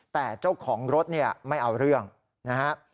แต่เจ้าของรถเนี่ยไม่เอาเรื่องนะฮะ